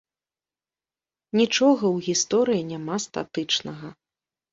Нічога ў гісторыі няма статычнага.